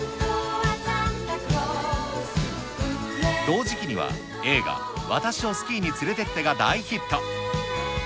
同時期には、映画、私をスキーに連れてってが大ヒット。